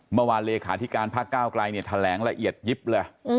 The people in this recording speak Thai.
เมื่อวานเลขาธิการพักก้าวไกลเนี่ยแถลงละเอียดยิบเลย